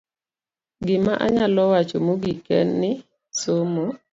Gima anyalo wacho mogik en ni, somo